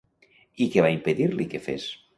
I què va impedir-li que fes?